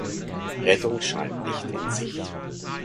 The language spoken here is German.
Rettung scheint nicht in Sicht.